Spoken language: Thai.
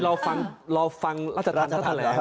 เราฟังรัชธรรมเข้าแทลง